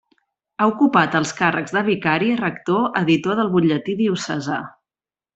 Ha ocupat els càrrecs de vicari, rector, editor del butlletí diocesà.